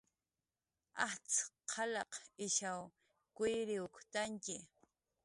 Ajtz' qalq ishaw kuyriwktantxi